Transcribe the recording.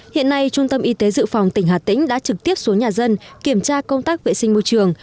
hiện nay trung tâm y tế dự phòng tỉnh hà tĩnh đã trực tiếp xuống nhà dân kiểm tra công tác vệ sinh môi trường